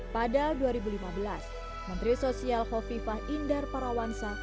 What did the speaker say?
pada dua ribu lima belas menteri sosial kofifah indar parawansa